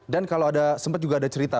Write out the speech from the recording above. dan kalau ada sempat juga ada cerita